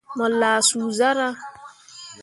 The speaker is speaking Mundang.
Mo lah suu zarah.